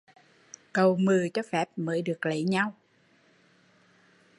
Cậu mự cho phép mới được lấy nhau